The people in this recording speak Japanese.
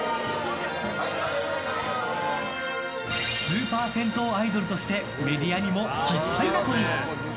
スーパー銭湯アイドルとしてメディアにも引っ張りだこに。